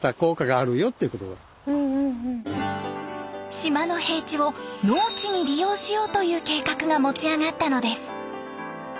島の平地を農地に利用しようという計画が持ち上がったのです。